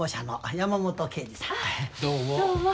どうも。